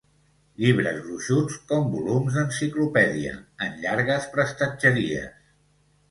Llibres gruixuts, com volums d'enciclopèdia, en llargues prestatgeries.